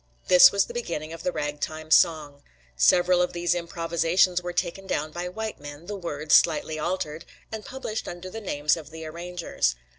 This was the beginning of the ragtime song. Several of these improvisations were taken down by white men, the words slightly altered, and published under the names of the arrangers.